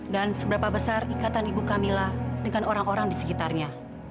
dan seberapa besar ikatan ibu kamila dengan orang orang di sekitarnya